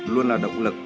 luôn là động lực